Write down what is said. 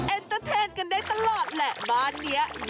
เตอร์เทนกันได้ตลอดแหละบ้านนี้